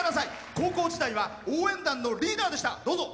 高校時代は応援団のリーダーでした。